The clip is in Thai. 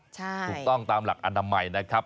ถูกต้องตามหลักอนามัยนะครับ